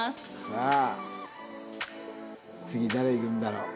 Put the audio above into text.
さあ次誰いくんだろう？